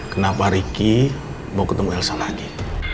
kenapa ricky mau ketemu elsa lagi